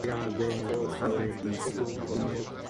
They are pure white and intensely reflect ultraviolet light.